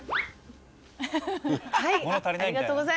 はい。